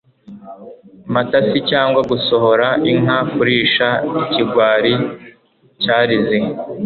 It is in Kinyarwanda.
matasi cyangwa gusohora inka kurisha, ikigwari cyarize